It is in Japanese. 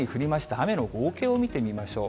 雨の合計を見てみましょう。